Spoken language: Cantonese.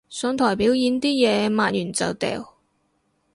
上台表演啲嘢抹完就掉